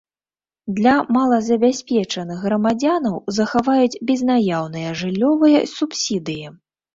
Для малазабяспечаных грамадзянаў захаваюць безнаяўныя жыллёвыя субсідыі.